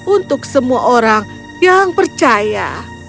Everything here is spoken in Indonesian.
untuk semua orang yang percaya